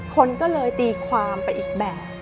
คนก็เลยตีความไปอีกแบบ